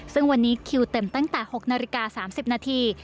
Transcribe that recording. ซึ่งวันนี้คิวเต็มตั้งแต่๖นาฬิกา๓๐นาที